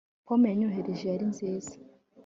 Pome yanyoherereje yari nziza